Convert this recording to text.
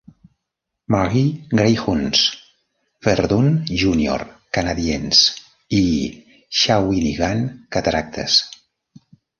Marie Greyhounds, Verdun Junior Canadiens i Shawinigan Cataractes.